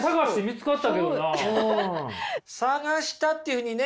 「探した」っていうふうにね